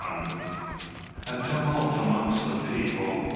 A tumult amongst the people?